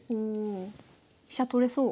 飛車取れそう。